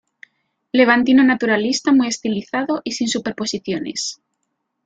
Levantino naturalista muy estilizado y sin superposiciones.